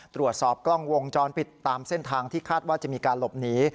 ตรวจสอบกล้องวงจรปิดตามเส้นทางที่คาดว่าจะมีการหลบหนี